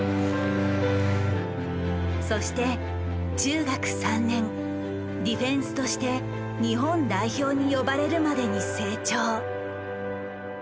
そして中学３年ディフェンスとして日本代表に呼ばれるまでに成長。